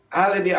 hal yang dianggap